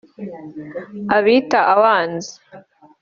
abita abanzi